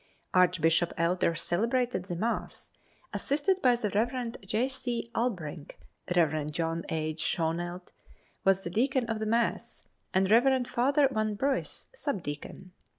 Archbishop Elder celebrated the mass, assisted by the Rev. J. C. Albrinck. Rev. John H. Schoenelt was the deacon of the mass, and Rev. Father Van Briss sub deacon.